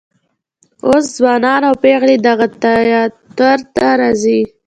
اوس ځوانان او پیغلې دغه تیاتر ته راځي.